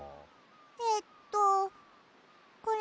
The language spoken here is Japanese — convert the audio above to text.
えっとこれ？